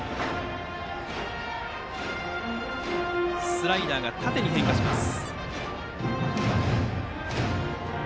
スライダーが縦に変化しています。